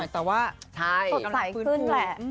แต่ว่าสดใสขึ้นแหละ